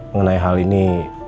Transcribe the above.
mengenai hal ini